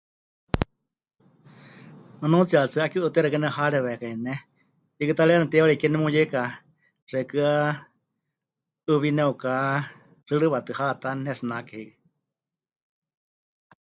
Nunuutsiyari tsɨ 'aki 'utɨa xeikɨ́a nepɨharewekai ne, hiikɨ ta ri 'eena teiwari kie nemuyeika xeikɨ́a 'ɨwí ne'ukaxɨrɨwatɨ haáta pɨnetsinake hiikɨ.